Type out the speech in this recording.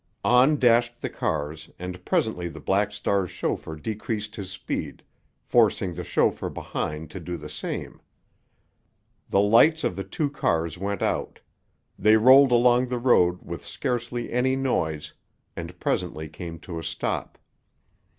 On dashed the cars, and presently the Black Star's chauffeur decreased his speed, forcing the chauffeur behind to do the same. The lights of the two cars went out; they rolled along the road with scarcely any noise, and presently came to a stop.